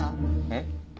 えっ？